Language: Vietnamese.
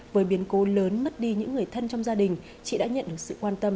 với biến cố lớn mất đi những người thân trong gia đình chị đã nhận được sự quan tâm